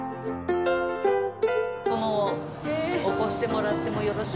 殿を起こしてもらってもよろしいですか？